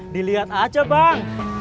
diliat aja bang